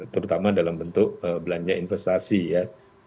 terutama dalam bentuk belanja investasi ya